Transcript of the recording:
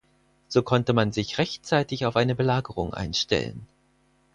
So konnte man sich rechtzeitig auf eine Belagerung einstellen.